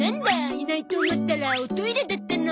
いないと思ったらおトイレだったの。